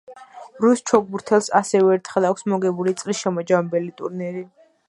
რუს ჩოგბურთელს ასევე ერთხელ აქვს მოგებული წლის შემაჯამებელი ტურნირი.